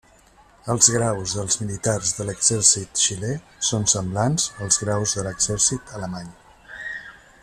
Els graus dels militars de l'Exèrcit xilè són semblants als graus de l'Exèrcit alemany.